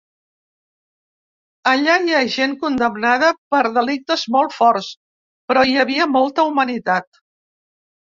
Allà hi ha gent condemnada per delictes molt forts, però hi havia molta humanitat.